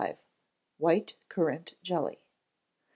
White Currant Jelly.